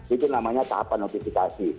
itu namanya tahapan notifikasi